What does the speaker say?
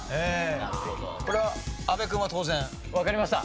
これは阿部君は当然？わかりました。